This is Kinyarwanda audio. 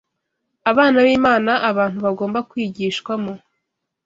abana b’Imana abantu bagomba kwigishwamo